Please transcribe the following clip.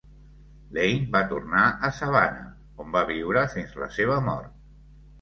Lane va tornar a Savannah, on va viure fins la seva mort.